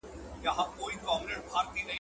د «مینځي» په څېر يې خرڅولای سوای